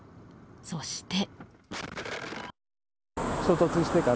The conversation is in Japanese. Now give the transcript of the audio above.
そして。